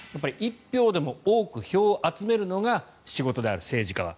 １票でも多く票を集めるのが仕事である政治家は。